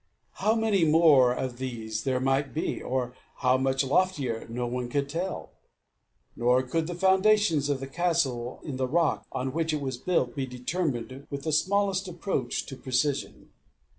How many more of these there might be, or how much loftier, no one could tell. Nor could the foundations of the castle in the rock on which it was built be determined with the smallest approach to precision.